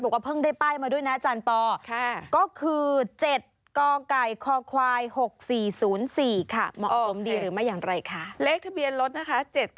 บอกว่าเพิ่งได้ป้ายมาด้วยนะอาจารย์ปอ